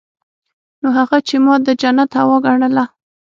نو هغه چې ما د جنت هوا ګڼله.